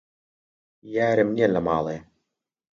یارم نیە لە ماڵێ